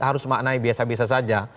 harus maknai biasa biasa saja